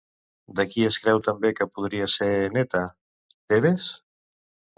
De qui es creu també que podria ser néta, Tebes?